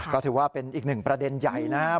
ก็ถือว่าเป็นอีกหนึ่งประเด็นใหญ่นะครับ